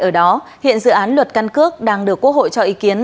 ở đó hiện dự án luật căn cước đang được quốc hội cho ý kiến